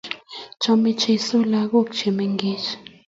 Chomei cheiso lagok che mengechen